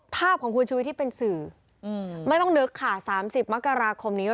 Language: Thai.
ภาพของคุณชุวิตที่เป็นสื่อไม่ต้องนึกค่ะ๓๐มกราคมนี้